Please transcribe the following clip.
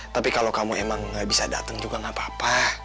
tapi kalau kamu emang gak bisa datang juga nggak apa apa